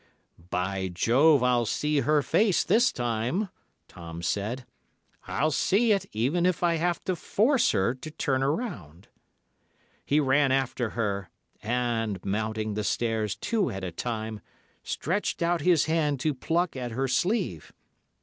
"'By Jove! I'll see her face this time,' Tom said. 'I'll see it, even if I have to force her to turn round.' He ran after her, and, mounting the stairs two at a time, stretched out his hand to pluck at her sleeve.